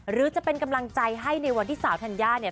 หรือจะเป็นกำลังใจให้ในวันที่สาวธัญญาเนี่ย